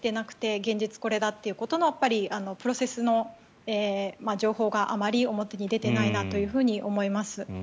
現実これだというところのプロセスの情報があまり表に出てないなと思います。